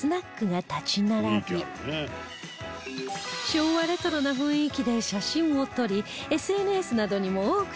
昭和レトロな雰囲気で写真を撮り ＳＮＳ などにも多く投稿される